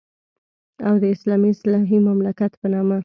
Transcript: او د اسلامي اصلاحي مملکت په نامه.